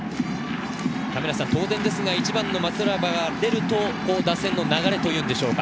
当然ですが１番・松原が出ると、打線の流れというのでしょうか？